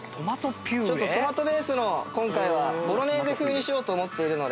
ちょっとトマトベースの今回はボロネーゼ風にしようと思っているので。